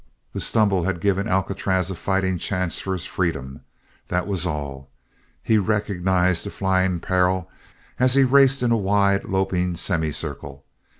The stumble had given Alcatraz a fighting chance for his freedom that was all. He recognized the flying peril as he raced in a wide loping semicircle.